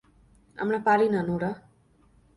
আমরা পারি না, নোরা।